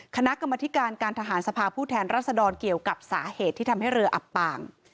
คณะกรรมธิการการทหารสภาพผู้แทนรัศดรเกี่ยวกับสาเหตุที่ทำให้เรืออับปาง